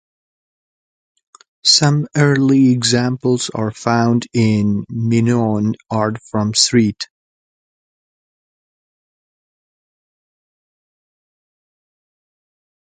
Some early examples are found in Minoan art from Crete.